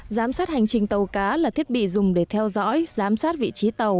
giám sát hành trình tàu cá là thiết bị dùng để theo dõi giám sát vị trí tàu